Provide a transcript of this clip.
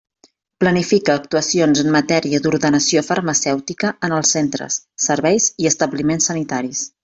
Planifica actuacions en matèria d'ordenació farmacèutica en els centres, serveis i establiments sanitaris.